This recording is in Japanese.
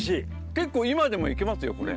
結構今でもいけますよこれ。